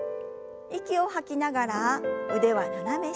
息を吐きながら腕は斜め下。